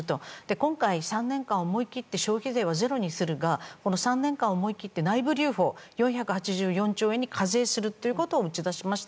今回、３年間思い切って消費税はゼロにするが３年間思い切って内部留保、４８４兆円に課税するということを打ち出しました。